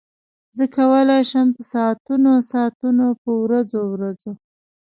زه کولای شم په ساعتونو ساعتونو په ورځو ورځو.